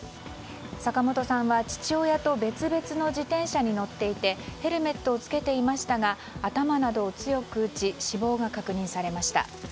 坂本さんは父親と別々の自転車に乗っていてヘルメットを着けていましたが頭などを強く打ち死亡が確認されました。